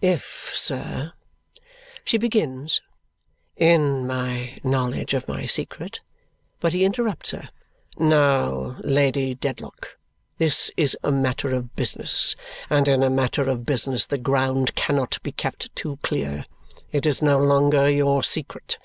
"If, sir," she begins, "in my knowledge of my secret " But he interrupts her. "Now, Lady Dedlock, this is a matter of business, and in a matter of business the ground cannot be kept too clear. It is no longer your secret.